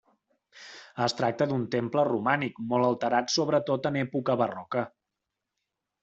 Es tracta d'un temple romànic molt alterat sobretot en època barroca.